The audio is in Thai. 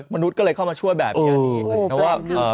มนุษย์ก็เลยเข้ามาช่วยแบบนี้นะว่า